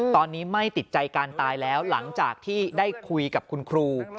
ตอนนี้ไม่ติดใจการตายแล้วหลังจากที่ได้คุยกับคุณครู